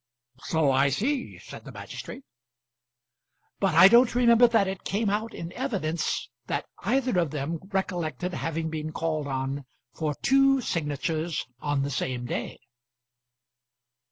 "So I see," said the magistrate. "But I don't remember that it came out in evidence that either of them recollected having been called on for two signatures on the same day."